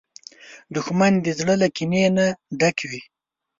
دښمن د زړه له کینې نه ډک وي